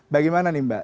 bagaimana nih mbak